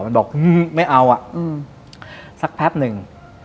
มันบอกไม่เอาสักแพทย์หนึ่ง